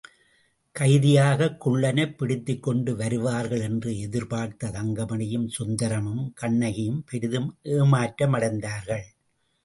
கைதியாகக் குள்ளனைப் பிடித்துக்கொண்டு வருவார்கள் என்று எதிர்பார்த்த தங்கமணியும் சுந்தரமும் கண்ணகியும் பெரிதும் ஏமாற்றமடைந்தார்கள்.